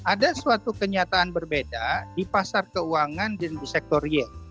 ada suatu kenyataan berbeda di pasar keuangan dan di sektor real